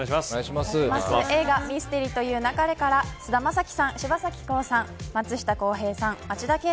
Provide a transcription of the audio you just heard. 映画、ミステリと言う勿れから菅田将暉さん、柴咲コウさん